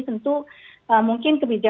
tentu mungkin kebijakan